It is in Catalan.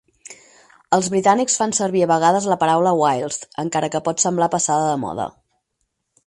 Els britànics fan servir a vegades la paraula whilst, encara que pot semblar passada de moda.